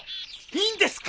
いいんですか？